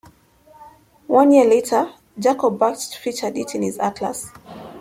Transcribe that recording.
One year later, Jakob Bartsch featured it in his atlas.